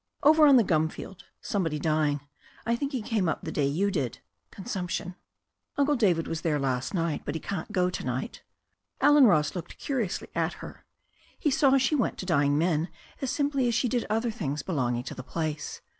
"Over on the gum field. Somebody dying. I think he came up the day you did. Consiunption. Uncle David was there last night. But he can't go to night." Allen Ross looked curiously at her. He saw she went to dying men as simply as she did other things belonging to the place.